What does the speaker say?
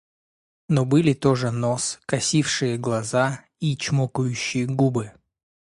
Но были тоже нос, косившие глаза и чмокающие губы.